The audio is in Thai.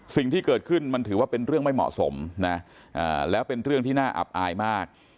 สิ่งที่เกิดขึ้นมันถือว่าเป็นเรื่องไม่เหมาะสมนะแล้วเป็นเรื่องที่น่าอับอายมาก